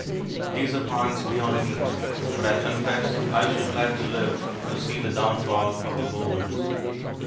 These are points beyond me. But I confess I should like to live to see the downfall of the Bourbons.